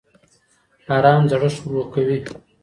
ارام زړښت ورو کوي